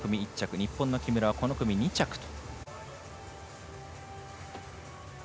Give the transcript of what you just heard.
日本の木村は、この組２着と。